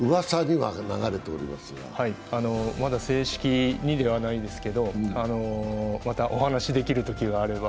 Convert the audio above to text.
はい、まだ正式にではないんですけれども、またお話しできるときがあれば。